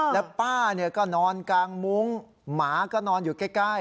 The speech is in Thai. แล้วป้าก็นอนกลางมุ้งหมาก็นอนอยู่ใกล้